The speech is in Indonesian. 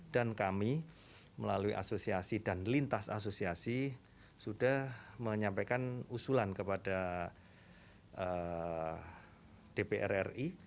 dan kami melalui asosiasi dan lintas asosiasi sudah menyampaikan usulan kepada dpr ri